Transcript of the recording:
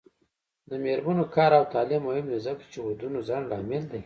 د میرمنو کار او تعلیم مهم دی ځکه چې ودونو ځنډ لامل دی.